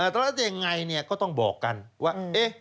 ตลอดที่ยังไงก็ต้องบอกกันว่า